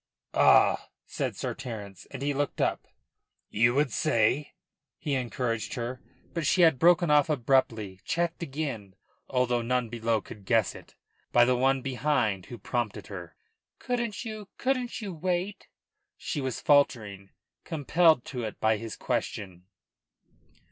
"Ah?" said Sir Terence, and he looked up. "You would say ?" he encouraged her, for she had broken off abruptly, checked again although none below could guess it by the one behind who prompted her. "Couldn't you couldn't you wait?" she was faltering, compelled to it by his question.